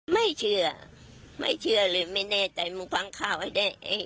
ไม่เชื่อไม่เชื่อเลยไม่แน่ใจมึงฟังข่าวให้แน่